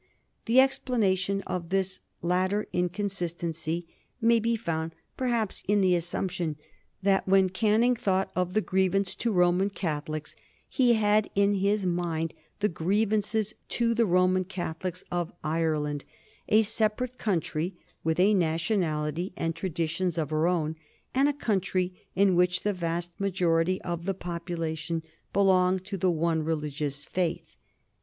The explanation of this latter inconsistency may be found, perhaps, in the assumption that when Canning thought of the grievance to Roman Catholics he had in his mind the grievances to the Roman Catholics of Ireland, a separate country with a nationality and traditions of her own, and a country in which the vast majority of the population belonged to the one religious faith.